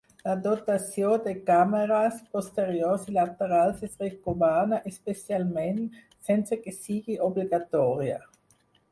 La dotació de càmeres posteriors i laterals es recomana especialment, sense que sigui obligatòria.